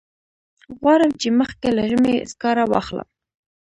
غواړم چې مخکې له ژمي سکاره واخلم.